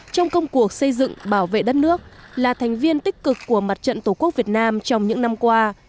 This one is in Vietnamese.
trong công cuộc xây dựng bảo vệ đất nước là thành viên tích cực của mặt trận tổ quốc việt nam trong những năm qua